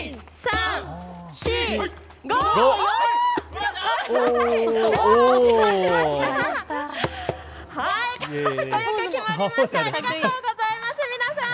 ありがとうございます、皆さん。